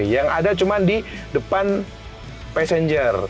yang ada cuma di depan passenger